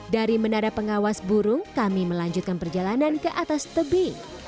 dari menara pengawas burung kami melanjutkan perjalanan ke atas tebing